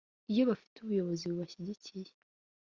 Iyo bafite ubuyobozi bubashyigikiye